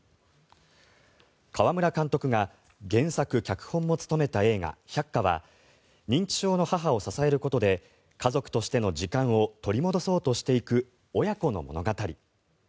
川村監督が原作・脚本も務めた映画「百花」は認知症の母を支えることで家族としての時間を取り戻そうとしていく親子の物語。